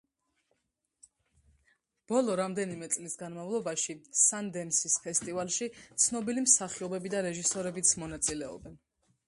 ბოლო რამდენიმე წლის განმავლობაში სანდენსის ფესტივალში ცნობილი მსახიობები და რეჟისორებიც მონაწილეობენ.